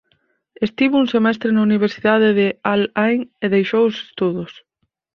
Estivo un semestre na Universidade de Al Ain e deixou os estudos.